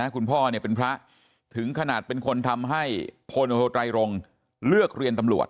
คุณพ่อเป็นพระถึงขนาดเป็นคนทำให้พลโทไตรรงเลือกเรียนตำรวจ